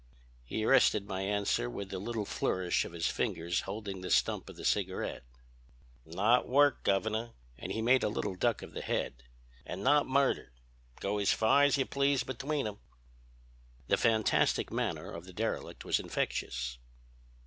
"He arrested my answer with the little flourish of his fingers holding the stump of the cigarette. "'Not work, Governor,' and he made a little duck of his head, 'and not murder.... Go as far as you please between 'em.' "The fantastic manner of the derelict was infectious.